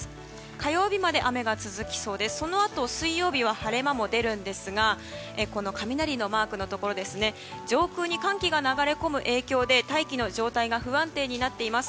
火曜日まで雨が続きそうでそのあと水曜日は晴れ間も出るんですがこの雷のマークのところ上空に寒気が流れ込む影響で大気の状態が不安定になっています。